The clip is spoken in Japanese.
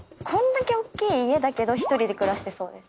こんだけ大きい家だけど１人で暮らしてそう。